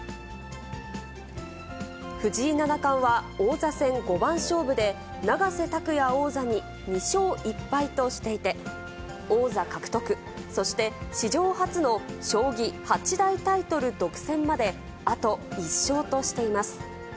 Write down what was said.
藤井七冠は王座戦五番勝負で、永瀬拓矢王座に２勝１敗としていて、王座獲得、そして史上初の将棋八大タイトル独占まで、あと１勝としています。